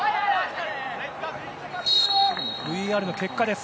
ＶＡＲの結果です。